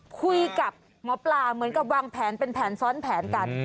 คุยกับหมอปลาเหมือนกับวางแผนเป็นแผนซ้อนแผนกัน